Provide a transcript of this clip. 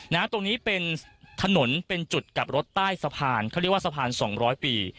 ตรงนี้เป็นถนนเป็นจุดกลับรถใต้สะพานเขาเรียกว่าสะพานสองร้อยปี